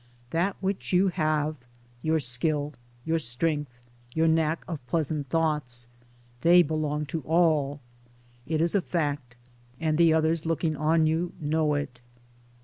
That which you have, your skill, your strength, your knack of pleasant thoughts — they belong to all. It is a fact, and the others looking on you know it.